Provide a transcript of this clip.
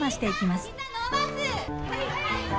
はい！